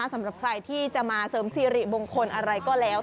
สำหรับใครที่จะมาเสริมสิริมงคลอะไรก็แล้ว